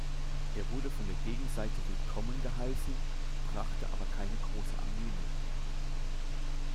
Er wurde von der Gegenseite willkommen geheißen, brachte aber keine große Armee mit.